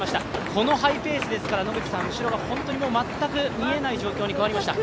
このハイペースですから後ろが全く見えない状況に変わりました。